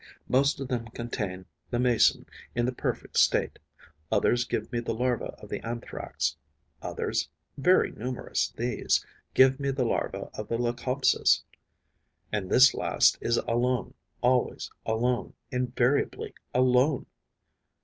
Most of them contain the Mason in the perfect state; others give me the larva of the Anthrax; others very numerous, these give me the larva of the Leucopsis. And this last is alone, always alone, invariably alone.